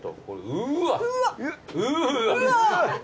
うわ！